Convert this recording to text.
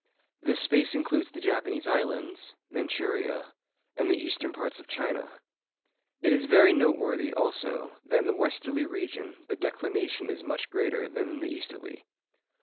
This space includes the Japanese Islands, Manchouria, and the eastern parts of China. It is very noteworthy also, that in the westerly region the declination is much greater than in the easterly.